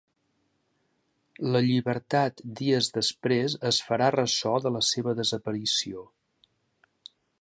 La llibertat dies després es farà ressò de la seva desaparició.